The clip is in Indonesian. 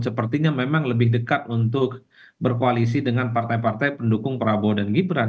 sepertinya memang lebih dekat untuk berkoalisi dengan partai partai pendukung prabowo dan gibran